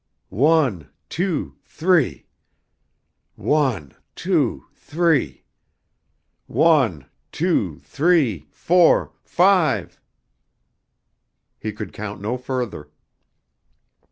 "One, two, three. One, two, three. One, two, three, four, five." He could count no further.